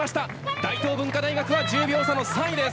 大東文化大学は１０秒差の３位です。